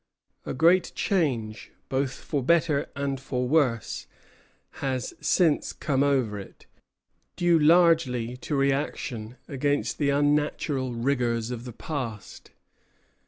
A great change, both for better and for worse, has since come over it, due largely to reaction against the unnatural rigors of the past.